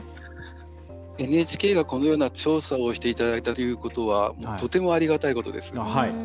ＮＨＫが、このような調査をしていただいたということはとてもありがたいことです。